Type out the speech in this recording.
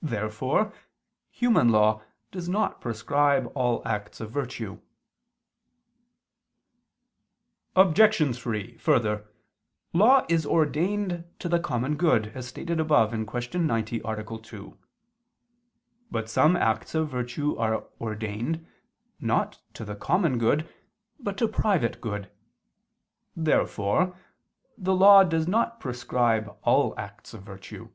Therefore human law does not prescribe all acts of virtue. Obj. 3: Further, law is ordained to the common good, as stated above (Q. 90, A. 2). But some acts of virtue are ordained, not to the common good, but to private good. Therefore the law does not prescribe all acts of virtue.